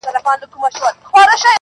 • وه ه سم شاعر دي اموخته کړم.